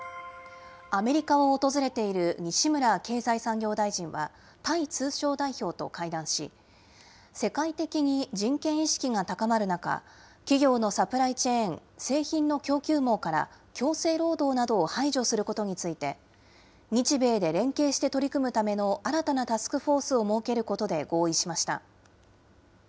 アメリカを訪れている西村経済産業大臣は、タイ通商代表と会談し、世界的に人権意識が高まる中、企業のサプライチェーン、製品の供給網から強制労働などを排除することについて、日米で連携して取り組むための新たなタスクフォースを設けることで合意しました。